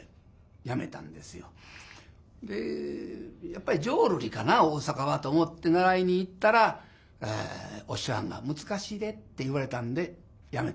「やっぱり浄瑠璃かな大阪は」と思って習いに行ったらお師匠はんが「難しいで」って言われたんでやめたんですよ。